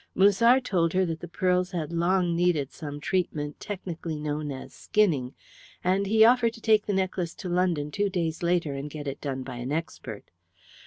Musard told her that the pearls had long needed some treatment technically known as "skinning," and he offered to take the necklace to London two days later and get it done by an expert.